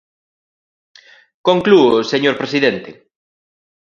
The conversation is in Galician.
Conclúo, señor presidente.